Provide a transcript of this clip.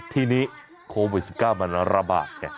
ทีนี้โควิด๑๙มันระบาดไง